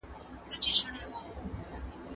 د پرديو په لمسون خپل کور مه ورانوئ.